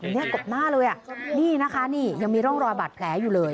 กลับหน้าเลยนี่นะคะนี่ยังมีร่องรอบัตรแหลอยู่เลย